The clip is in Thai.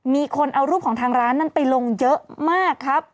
มีคนเอารูปของทางร้านนั้นไปลงเยอะมากครับ